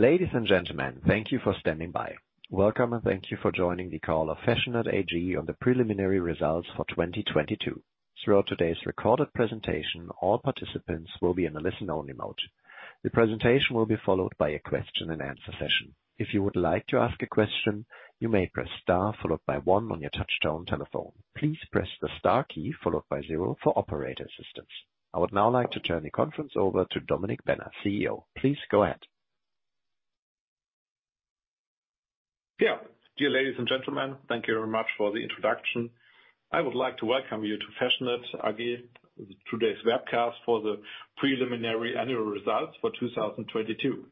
Ladies and gentlemen, thank you for standing by. Welcome and thank you for joining the call of fashionette AG on the preliminary results for 2022. Throughout today's recorded presentation, all participants will be in a listen-only mode. The presentation will be followed by a question-and-answer session. If you would like to ask a question, you may press star followed by one on your touchtone telephone. Please press the star key followed by zero for operator assistance. I would now like to turn the conference over to Dominik Benner, CEO. Please go ahead. Yeah. Dear ladies and gentlemen, thank you very much for the introduction. I would like to welcome you to fashionette AG, today's webcast for the preliminary annual results for 2022.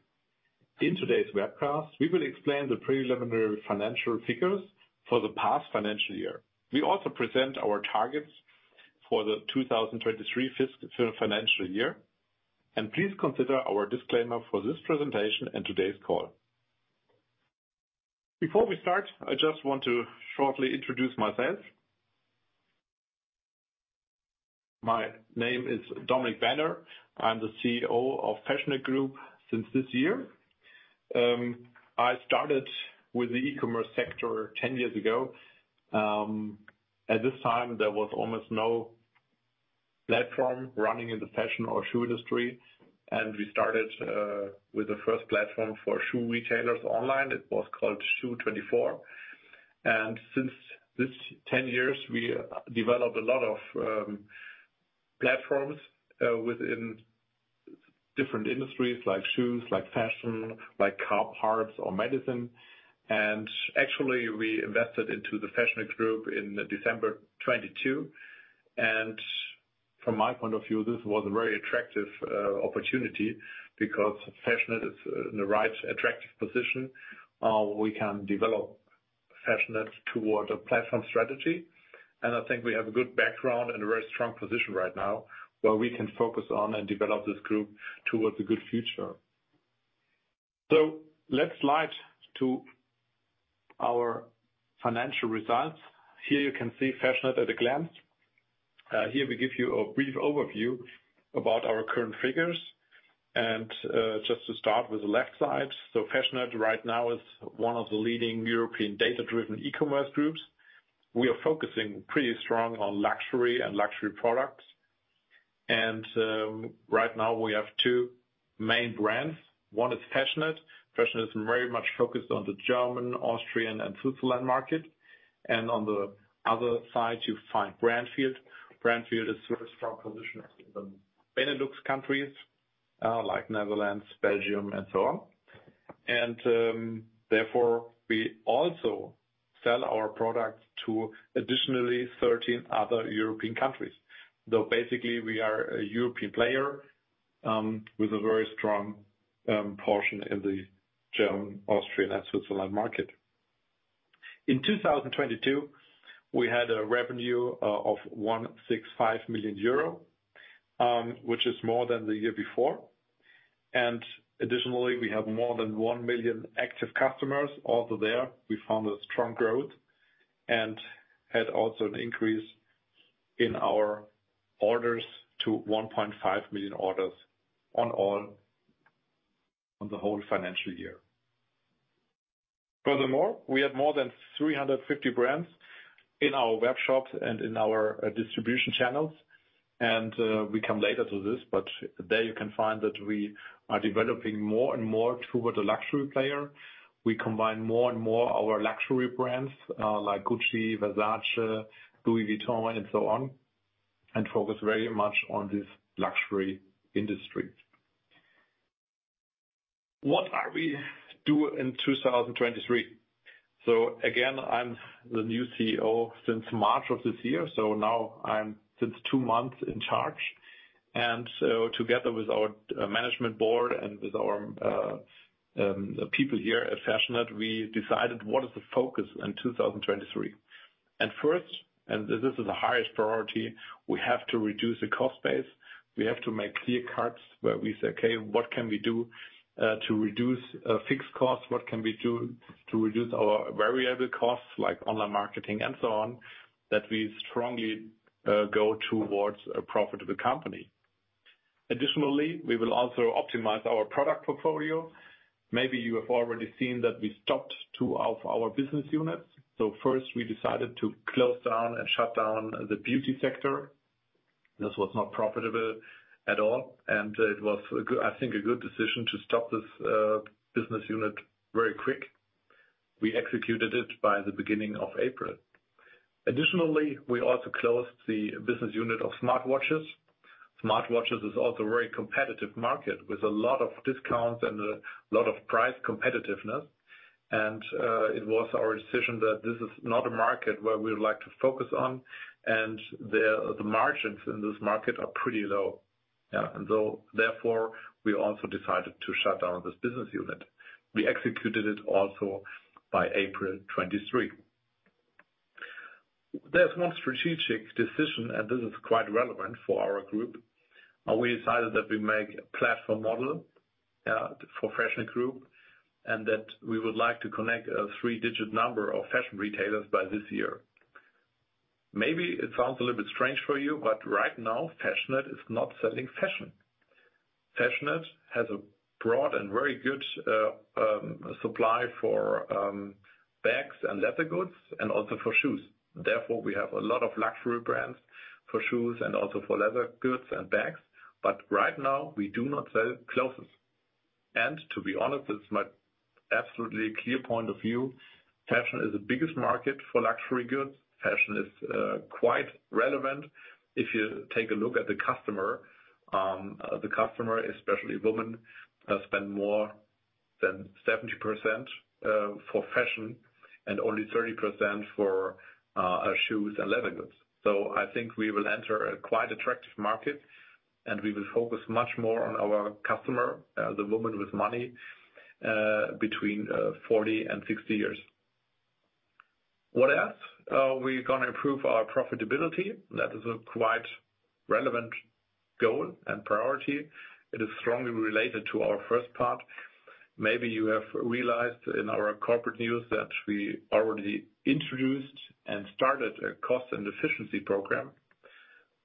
In today's webcast, we will explain the preliminary financial figures for the past financial year. We also present our targets for the 2023 financial year. Please consider our disclaimer for this presentation and today's call. Before we start, I just want to shortly introduce myself. My name is Dominik Benner. I'm the CEO of fashionette group since this year. I started with the e-commerce sector 10 years ago. At this time, there was almost no platform running in the fashion or shoe industry, and we started with the first platform for shoe retailers online. It was called Schuhe24. Since this 10 years, we developed a lot of platforms within different industries like shoes, like fashion, like car parts or medicine. Actually, we invested into the fashionette group in December 2022. From my point of view, this was a very attractive opportunity because fashionette is in the right, attractive position. We can develop fashionette towards a platform strategy. I think we have a good background and a very strong position right now, where we can focus on and develop this group towards a good future. Let's slide to our financial results. Here you can see fashionette at a glance. Here we give you a brief overview about our current figures. Just to start with the left side. fashionette right now is one of the leading European data-driven e-commerce groups. We are focusing pretty strong on luxury and luxury products. Right now, we have two main brands. One is fashionette. fashionette is very much focused on the German, Austrian and Switzerland market. On the other side, you find Brandfield. Brandfield is a very strong position in the Benelux countries, like Netherlands, Belgium and so on. Therefore, we also sell our products to additionally 13 other European countries. Though basically we are a European player, with a very strong portion in the German, Austrian and Switzerland market. In 2022, we had a revenue of 165 million euro, which is more than the year before. Additionally, we have more than 1 million active customers. There, we found a strong growth and had an increase in our orders to 1.5 million orders on the whole financial year. We have more than 350 brands in our web shops and in our distribution channels, and we come later to this. There you can find that we are developing more and more toward a luxury player. We combine more and more our luxury brands, like Gucci, Versace, Louis Vuitton and so on, and focus very much on this luxury industry. What are we do in 2023? Again, I'm the new CEO since March of this year, now I'm since two months in charge. Together with our management board and with our people here at fashionette, we decided what is the focus in 2023. First, this is the highest priority, we have to reduce the cost base. We have to make clear cuts where we say, "Okay, what can we do to reduce fixed costs? What can we do to reduce our variable costs, like online marketing and so on, that we strongly go towards a profitable company?" Additionally, we will also optimize our product portfolio. Maybe you have already seen that we stopped two of our business units. First we decided to close down and shut down the beauty sector. This was not profitable at all, and it was I think, a good decision to stop this business unit very quick. We executed it by the beginning of April. Additionally, we also closed the business unit of smartwatches. Smartwatches is also a very competitive market with a lot of discounts and a lot of price competitiveness. It was our decision that this is not a market where we would like to focus on. The margins in this market are pretty low. Therefore, we also decided to shut down this business unit. We executed it also by April 2023. There's one strategic decision, and this is quite relevant for our group. We decided that we make a platform model for fashionette group and that we would like to connect a three-digit number of fashion retailers by this year. Maybe it sounds a little bit strange for you, but right now, fashionette is not selling fashion. fashionette has a broad and very good supply for bags and leather goods and also for shoes. Therefore, we have a lot of luxury brands for shoes and also for leather goods and bags. Right now, we do not sell clothes. To be honest, it's my absolutely clear point of view, fashion is the biggest market for luxury goods. Fashion is quite relevant. If you take a look at the customer, especially women, spend more than 70% for fashion and only 30% for shoes and leather goods. I think we will enter a quite attractive market, and we will focus much more on our customer, the woman with money, between 40 and 60 years. What else? We gonna improve our profitability. That is a quite relevant goal and priority. It is strongly related to our first part. Maybe you have realized in our corporate news that we already introduced and started a cost and efficiency program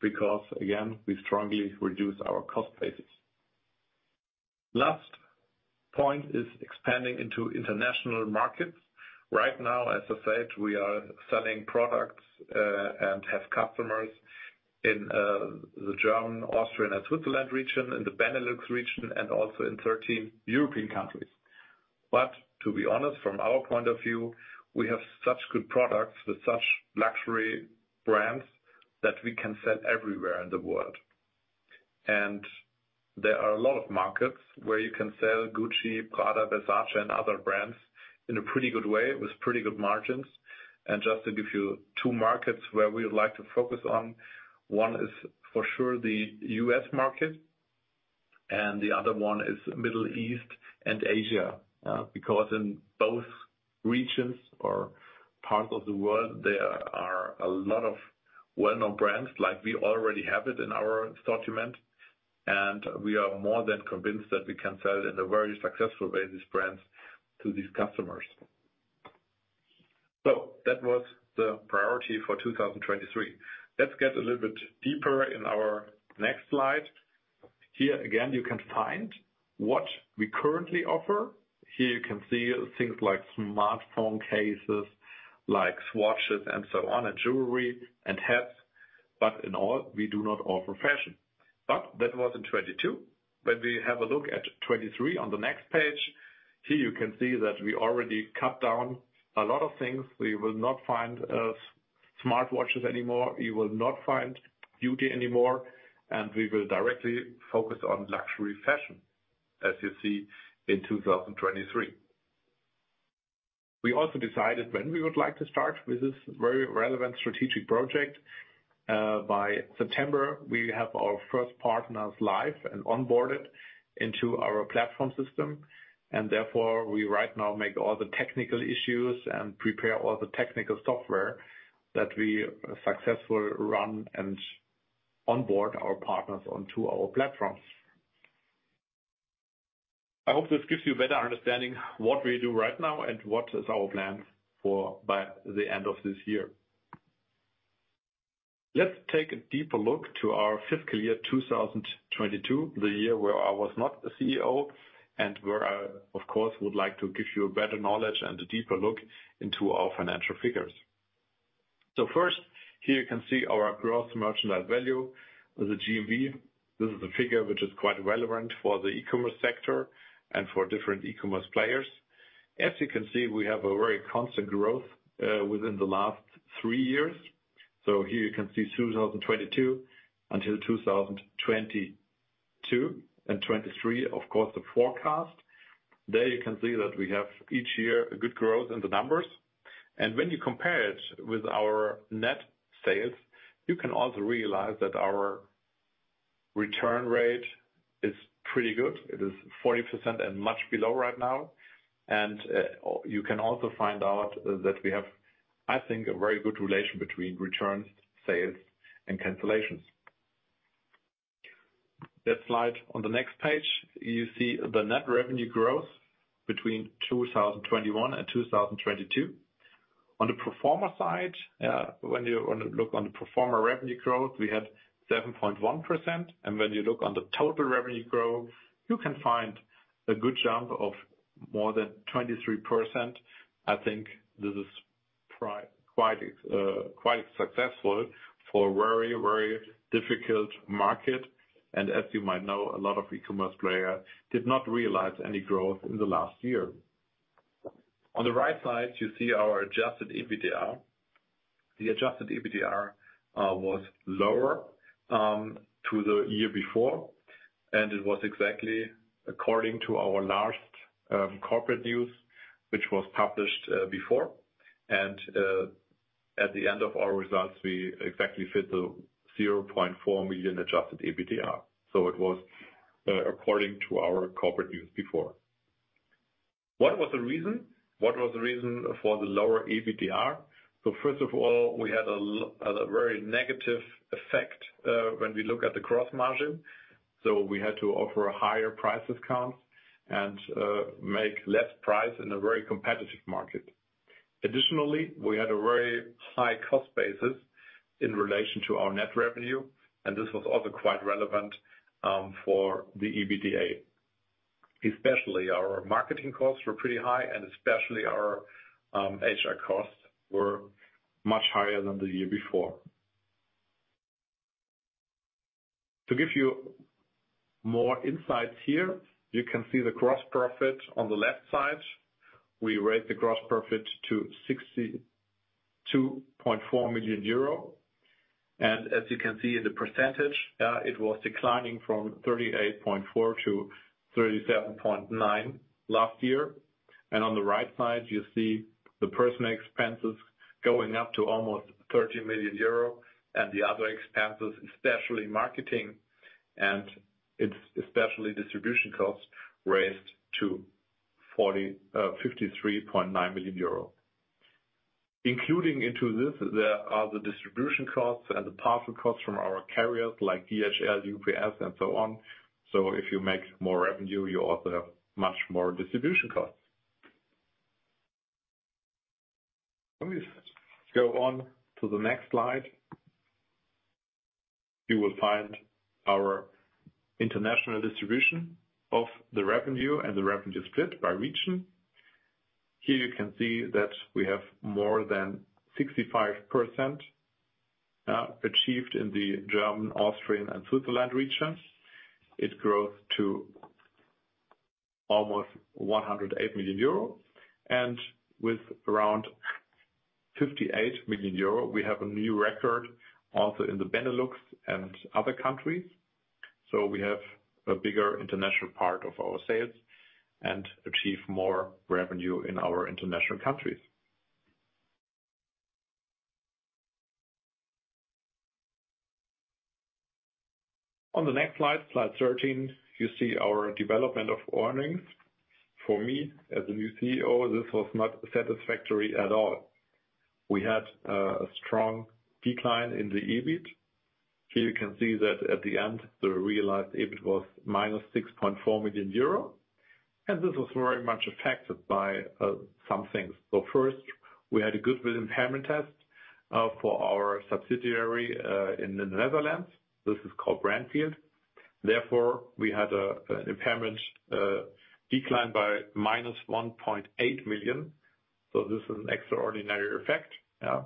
because, again, we strongly reduce our cost basis. Last point is expanding into international markets. Right now, as I said, we are selling products and have customers in the German, Austrian, and Switzerland region, in the Benelux region, and also in 13 European countries. To be honest, from our point of view, we have such good products with such luxury brands that we can sell everywhere in the world. There are a lot of markets where you can sell Gucci, Prada, Versace, and other brands in a pretty good way with pretty good margins. Just to give you two markets where we would like to focus on, one is for sure the U.S. market, and the other one is Middle East and Asia. Because in both regions or parts of the world, there are a lot of well-known brands like we already have it in our assortment, and we are more than convinced that we can sell it in a very successful way, these brands, to these customers. That was the priority for 2023. Let's get a little bit deeper in our next slide. Here, again, you can find what we currently offer. Here you can see things like smartphone cases, like smartwatches and so on, and jewelry and hats. In all, we do not offer fashion. That was in 2022. When we have a look at 2023 on the next page, here you can see that we already cut down a lot of things. We will not find smartwatches anymore. You will not find beauty anymore. We will directly focus on luxury fashion, as you see in 2023. We also decided when we would like to start with this very relevant strategic project. By September, we have our first partners live and onboarded into our platform system, and therefore, we right now make all the technical issues and prepare all the technical software that we successfully run and onboard our partners onto our platforms. I hope this gives you a better understanding what we do right now and what is our plan for by the end of this year. Let's take a deeper look to our fiscal year 2022, the year where I was not the CEO and where I, of course, would like to give you a better knowledge and a deeper look into our financial figures. First, here you can see our gross merchandise value, the GMV. This is a figure which is quite relevant for the e-commerce sector and for different e-commerce players. As you can see, we have a very constant growth within the last three years. Here you can see 2022 until 2022 and 2023, of course, the forecast. There you can see that we have each year a good growth in the numbers. When you compare it with our net sales, you can also realize that our return rate is pretty good. It is 40% and much below right now. You can also find out that we have, I think, a very good relation between returns, sales, and cancellations. The slide on the next page, you see the net revenue growth between 2021 and 2022. On the platform side, when you look on the platform revenue growth, we had 7.1%. When you look on the total revenue growth, you can find a good jump of more than 23%. I think this is quite successful for a very difficult market. As you might know, a lot of e-commerce player did not realize any growth in the last year. On the right side, you see our Adjusted EBITDA. The Adjusted EBITDA was lower to the year before, and it was exactly according to our last corporate news, which was published before. At the end of our results, we exactly fit the 0.4 million Adjusted EBITDA. It was according to our corporate news before. What was the reason? What was the reason for the lower EBITDA? First of all, we had a very negative effect when we look at the growth margin. We had to offer higher price discounts and make less price in a very competitive market. Additionally, we had a very high cost basis in relation to our net revenue, and this was also quite relevant for the EBITDA. Especially our marketing costs were pretty high and especially our HR costs were much higher than the year before. To give you more insights here, you can see the gross profit on the left side. We raised the gross profit to 62.4 million euro. As you can see in the %, it was declining from 38.4%-37.9% last year. On the right side, you see the personal expenses going up to almost 30 million euro and the other expenses, especially marketing and especially distribution costs, raised to 53.9 million euro. Including into this, there are the distribution costs and the parcel costs from our carriers like DHL, UPS and so on. If you make more revenue, you also have much more distribution costs. When we go on to the next slide, you will find our international distribution of the revenue and the revenue split by region. Here you can see that we have more than 65% achieved in the German, Austrian, and Switzerland region. It grows to almost 108 million euro. With around 58 million euro, we have a new record also in the Benelux and other countries. We have a bigger international part of our sales and achieve more revenue in our international countries. On the next slide 13, you see our development of earnings. For me, as the new CEO, this was not satisfactory at all. We had a strong decline in the EBIT. Here you can see that at the end, the realized EBIT was -6.4 million euro, and this was very much affected by some things. First, we had a goodwill impairment test for our subsidiary in the Netherlands. This is called Brandfield. Therefore, we had an impairment decline by -1.8 million. This is an extraordinary effect, yeah.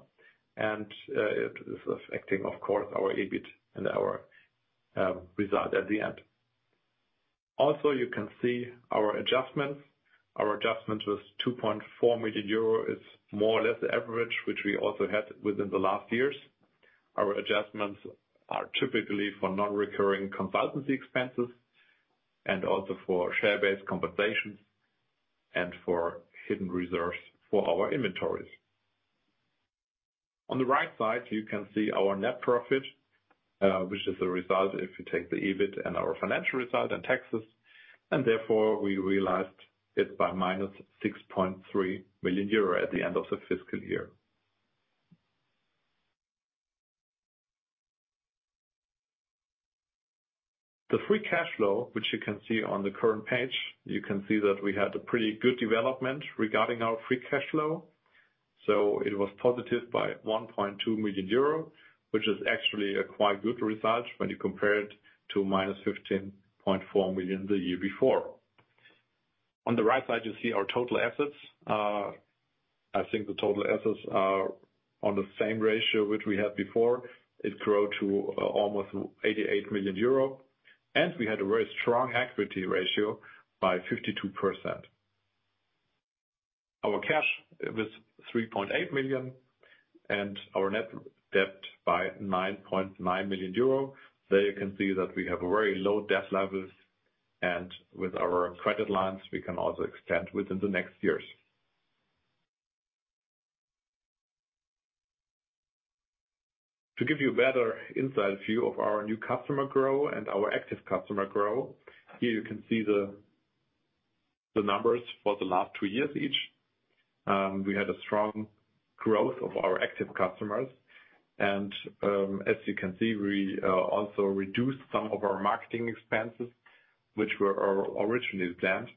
It is affecting, of course, our EBIT and our result at the end. Also, you can see our adjustments. Our adjustment was 2.4 million euro. It's more or less the average, which we also had within the last years. Our adjustments are typically for non-recurring consultancy expenses and also for share-based compensations and for hidden reserves for our inventories. On the right side, you can see our net profit, which is a result if you take the EBIT and our financial result and taxes. Therefore, we realized it by -6.3 million euro at the end of the fiscal year. The free cash flow, which you can see on the current page, you can see that we had a pretty good development regarding our free cash flow. It was positive by 1.2 million euro, which is actually a quite good result when you compare it to -15.4 million the year before. On the right side, you see our total assets. I think the total assets are on the same ratio which we had before. It grow to almost 88 million euro. We had a very strong equity ratio by 52%. Our cash was 3.8 million and our net debt by 9.9 million euro. There you can see that we have a very low debt levels, and with our credit lines, we can also expand within the next years. To give you a better insight view of our new customer grow and our active customer grow, here you can see the numbers for the last two years each. We had a strong growth of our active customers. As you can see, we also reduced some of our marketing expenses, which were originally planned.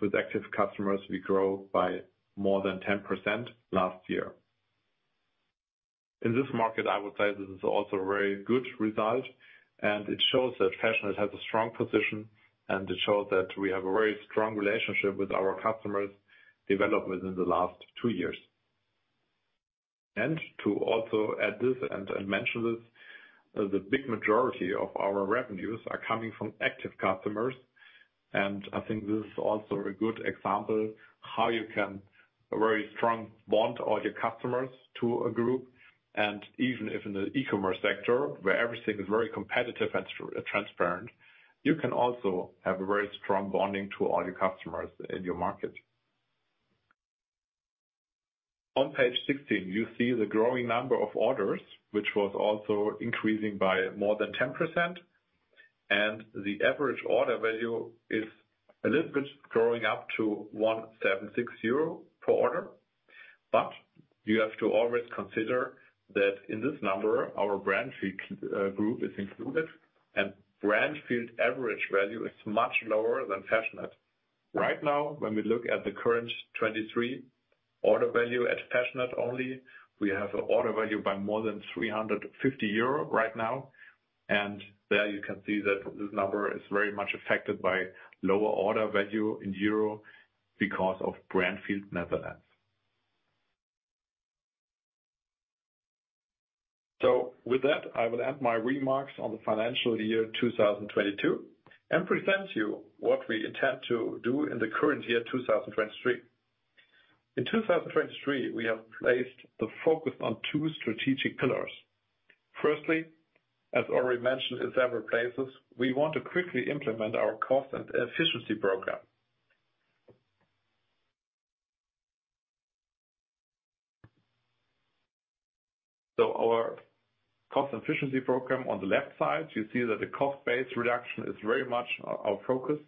With active customers, we grow by more than 10% last year. In this market, I would say this is also a very good result, and it shows that fashionette has a strong position, and it shows that we have a very strong relationship with our customers developed within the last two years. To also add this and mention this, the big majority of our revenues are coming from active customers. I think this is also a good example how you can very strong bond all your customers to a group. Even if in the e-commerce sector, where everything is very competitive and transparent, you can also have a very strong bonding to all your customers in your market. On page 16, you see the growing number of orders, which was also increasing by more than 10%. The average order value is a little bit growing up to 1,760 per order. You have to always consider that in this number, our Brandfield group is included and Brandfield average value is much lower than fashionette. Right now, when we look at the current 2023 order value at fashionette only, we have a order value by more than 350 euro right now. There you can see that this number is very much affected by lower order value in Euro because of Brandfield Netherlands. With that, I will end my remarks on the financial year 2022 and present you what we intend to do in the current year, 2023. In 2023, we have placed the focus on two strategic pillars. Firstly, as already mentioned in several places, we want to quickly implement our cost and efficiency program. Our cost efficiency program on the left side, you see that the cost-based reduction is very much our focus,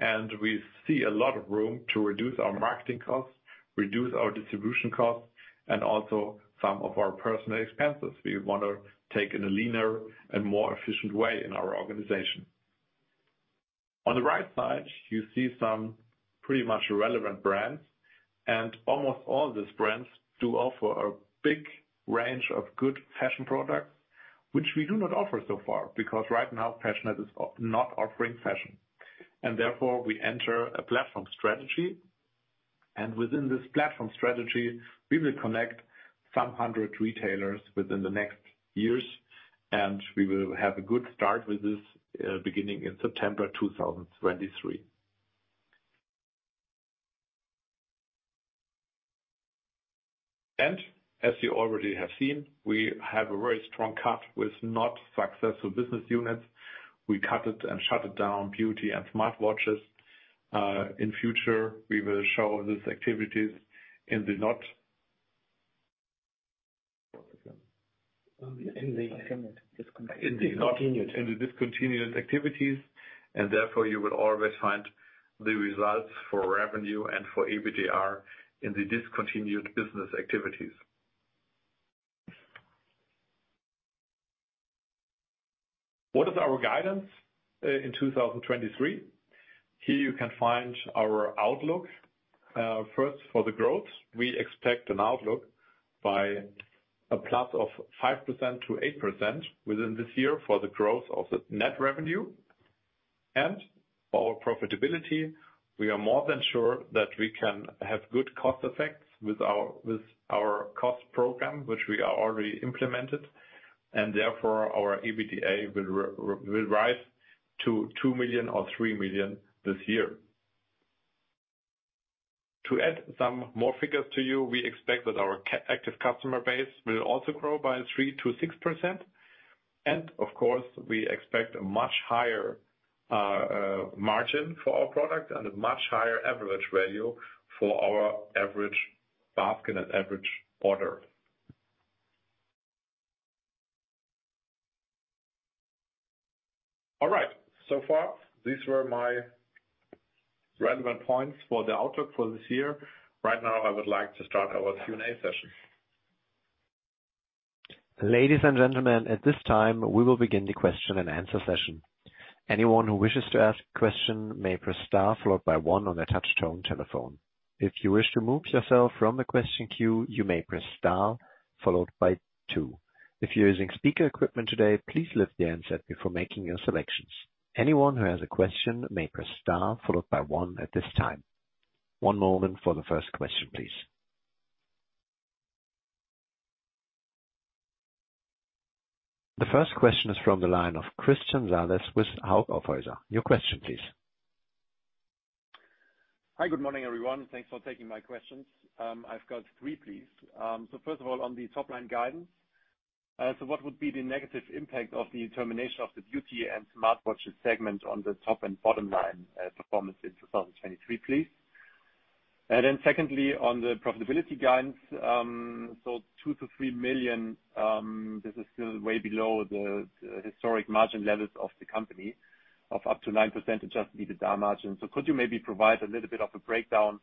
and we see a lot of room to reduce our marketing costs, reduce our distribution costs, and also some of our personal expenses we wanna take in a leaner and more efficient way in our organization. On the right side, you see some pretty much relevant brands, and almost all these brands do offer a big range of good fashion products, which we do not offer so far. Right now, fashionette is not offering fashion, and therefore we enter a platform strategy. Within this platform strategy, we will connect some 100 retailers within the next years, and we will have a good start with this, beginning in September 2023. As you already have seen, we have a very strong cut with not successful business units. We cut it and shut it down, beauty and smartwatches. In future, we will show these activities in the not- In the discontinued activities, therefore you will always find the results for revenue and for EBITDA in the discontinued business activities. What is our guidance in 2023? Here you can find our outlook. First, for the growth, we expect an outlook by a plus of 5%-8% within this year for the growth of the net revenue and our profitability. We are more than sure that we can have good cost effects with our cost program, which we are already implemented, and therefore our EBITDA will rise to 2 million or 3 million this year. To add some more figures to you, we expect that our active customer base will also grow by 3%-6%. Of course, we expect a much higher margin for our product and a much higher average value for our average basket and average order. All right. So far, these were my relevant points for the outlook for this year. Right now, I would like to start our Q&A session. Ladies and gentlemen, at this time, we will begin the question and answer session. Anyone who wishes to ask a question may press star followed by one on their touch tone telephone. If you wish to remove yourself from the question queue, you may press star followed by two. If you're using speaker equipment today, please lift the handset before making your selections. Anyone who has a question may press star followed by one at this time. One moment for the first question, please. The first question is from the line of Christian Salis with Hauck Aufhäuser. Your question please. Hi. Good morning, everyone. Thanks for taking my questions. I've got three, please. First of all, on the top line guidance, what would be the negative impact of the termination of the beauty and smartwatch segment on the top and bottom line performance in 2023, please? Secondly, on the profitability guidance, 2 million-3 million, this is still way below the historic margin levels of the company of up to 9% Adjusted EBITDA margin. Could you maybe provide a little bit of a breakdown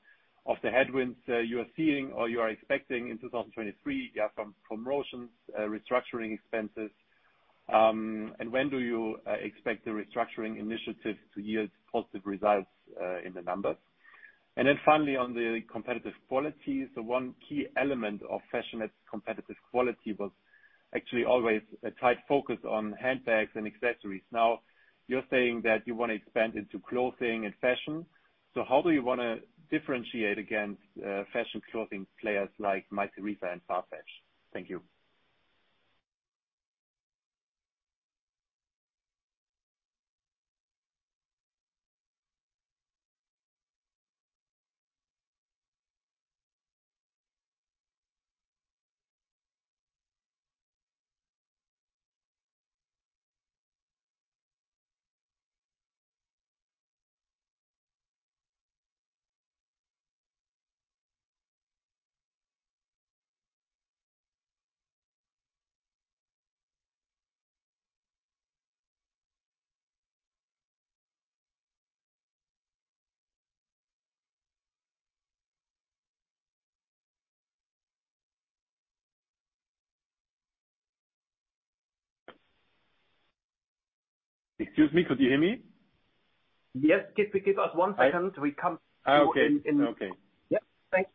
of the headwinds you are seeing or you are expecting in 2023 from promotions, restructuring expenses, and when do you expect the restructuring initiative to yield positive results in the numbers? Finally, on the competitive quality. One key element of fashionette's competitive quality was actually always a tight focus on handbags and accessories. Now, you're saying that you wanna expand into clothing and fashion. How do you wanna differentiate against fashion clothing players like Mytheresa and FARFETCH? Thank you. Excuse me, could you hear me? Yes. Give us one second. Oh, okay. Okay. Yep. Thanks.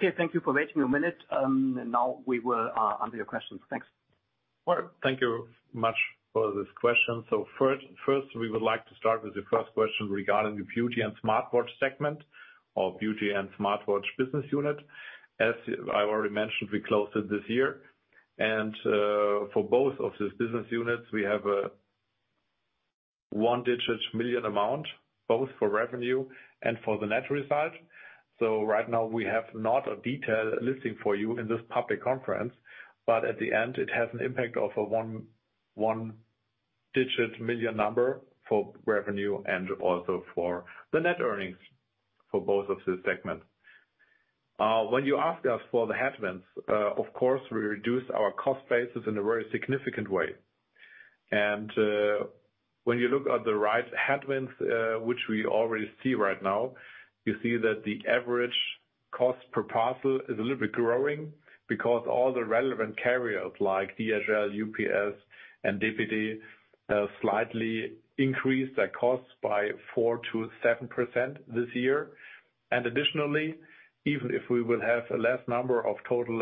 Okay, thank you for waiting a minute. Now we will answer your questions. Thanks. Well, thank you much for this question. First, we would like to start with the first question regarding the beauty and smartwatch segment or beauty and smartwatch business unit. As I've already mentioned, we closed it this year. For both of these business units, we have a EUR 1-digit million amount, both for revenue and for the net result. Right now we have not a detailed listing for you in this public conference, but at the end it has an impact of a EUR 1-digit million number for revenue and also for the net earnings for both of these segments. When you ask us for the headwinds, of course we reduce our cost bases in a very significant way. When you look at the right headwinds, which we already see right now, you see that the average cost per parcel is a little bit growing because all the relevant carriers like DHL, UPS and DPD, slightly increased their costs by 4%-7% this year. Additionally, even if we will have a less number of total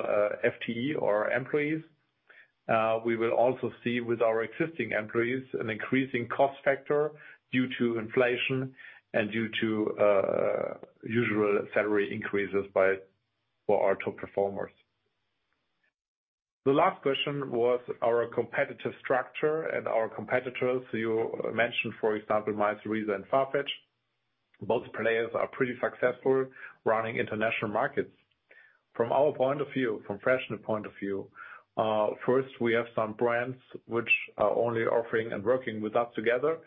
FTE or employees, we will also see with our existing employees an increasing cost factor due to inflation and due to usual salary increases by, for our top performers. The last question was our competitive structure and our competitors. You mentioned, for example, Mytheresa and FARFETCH. Both players are pretty successful running international markets. From our point of view, from fashionette point of view, first we have some brands which are only offering and working with us together.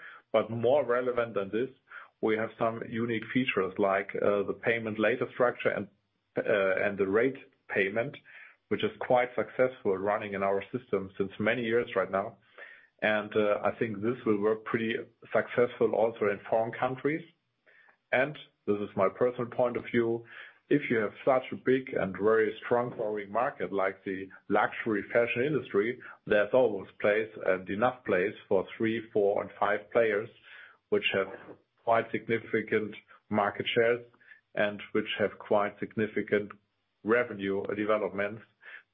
More relevant than this, we have some unique features like the payment later structure and the rate payment, which is quite successful running in our system since many years right now. I think this will work pretty successful also in foreign countries. This is my personal point of view. If you have such a big and very strong growing market like the luxury fashion industry, there's always place and enough place for three, four and five players which have quite significant market shares and which have quite significant revenue developments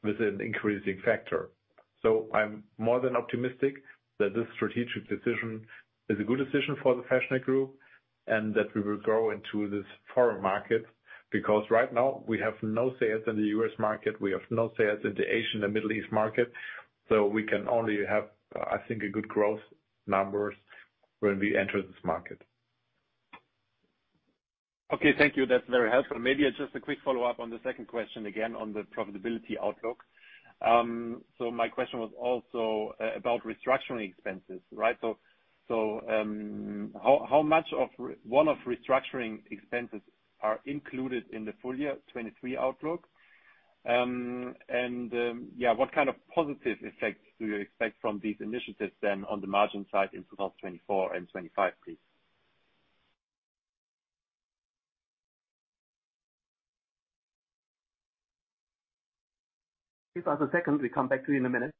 with an increasing factor. I'm more than optimistic that this strategic decision is a good decision for the fashionette group and that we will grow into this foreign market. Right now we have no sales in the U.S. market, we have no sales in the Asian and Middle East market. We can only have, I think, a good growth numbers when we enter this market. Okay, thank you. That's very helpful. Maybe just a quick follow-up on the second question again on the profitability outlook. My question was also about restructuring expenses, right? How much of one off restructuring expenses are included in the full year 2023 outlook? Yeah, what kind of positive effects do you expect from these initiatives then on the margin side in 2024 and 2025, please? Give us a second. We come back to you in a minute.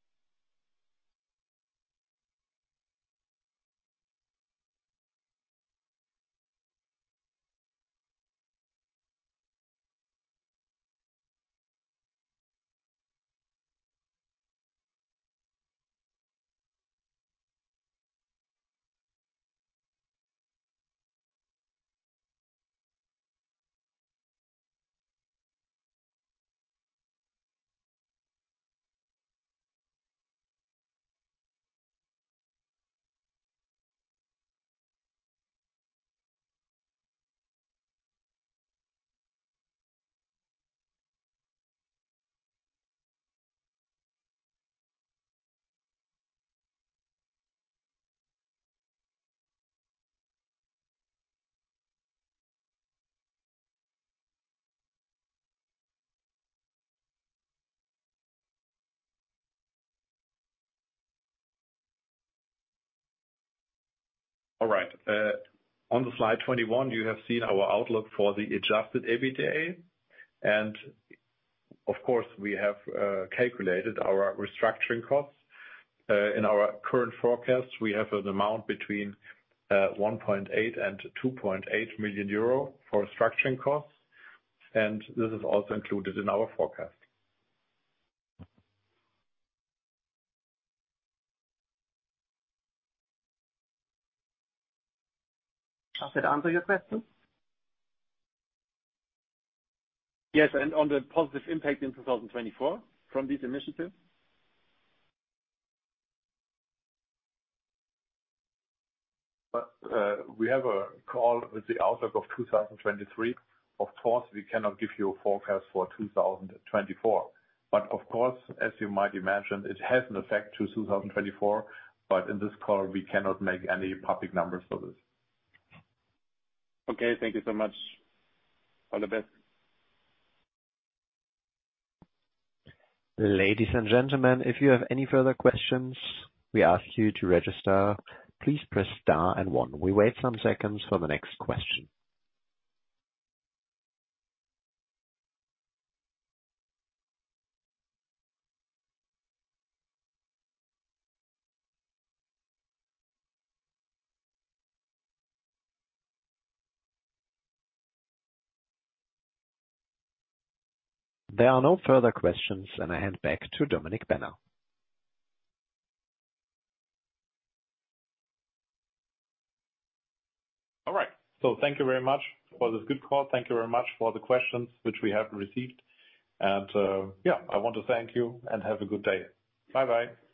All right. On the slide 21, you have seen our outlook for the Adjusted EBITDA. Of course we have calculated our restructuring costs. In our current forecast, we have an amount between 1.8 million and 2.8 million euro for restructuring costs and this is also included in our forecast. Does that answer your question? Yes. On the positive impact in 2024 from these initiatives? We have a call with the outlook of 2023. Of course we cannot give you a forecast for 2024. Of course, as you might imagine, it has an effect to 2024. In this call we cannot make any public numbers for this. Okay, thank you so much. All the best. Ladies and gentlemen, if you have any further questions, we ask you to register, please press star and 1. We wait some seconds for the next question. There are no further questions. I hand back to Dominik Benner. All right. Thank you very much for this good call. Thank you very much for the questions which we have received. Yeah, I want to thank you and have a good day. Bye-bye.